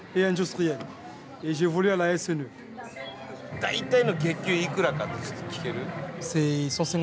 大体の月給いくらかって聞ける？